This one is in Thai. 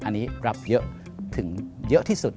อันนี้รับเยอะถึงเยอะที่สุด